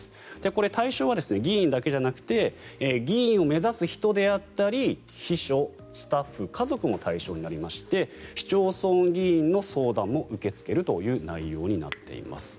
これ、対象は議員だけじゃなくて議員を目指す人であったり秘書、スタッフ家族も対象になりまして市町村議員の相談も受け付けるという内容になっています。